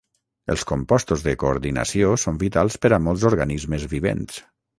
Els compostos de coordinació són vitals per a molts organismes vivents.